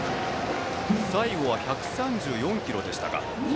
最後は１３４キロでした。